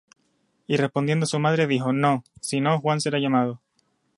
Y respondiendo su madre, dijo: No; sino Juan será llamado.